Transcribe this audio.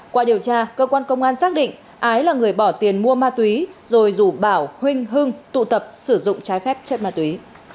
qua điều tra cơ quan công an xác định ái là người bỏ tiền mua ma túy rồi rủ bảo huynh hưng tụ tập sử dụng trái phép chất ma túy